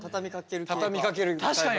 畳みかける系か。